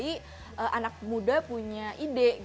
jadi anak muda punya ide